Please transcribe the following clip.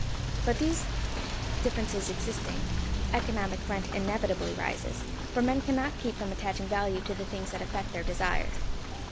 But these differences existing, economic rent inevitably arises, for men cannot keep from attaching value to the things that affect their desires.